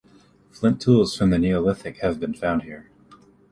Flint tools from the Neolithic have been found here.